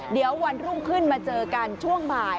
เดี๋ยววันรุ่งขึ้นมาเจอกันช่วงบ่าย